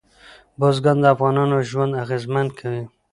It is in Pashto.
بزګان د افغانانو ژوند اغېزمن کوي.